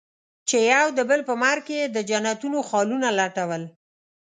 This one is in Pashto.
چې يو د بل په مرګ کې يې د جنتونو خالونه لټول.